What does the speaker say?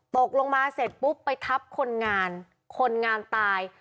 ตกลงมาเสร็จปุ๊บไปทับคนงานคนงานตาย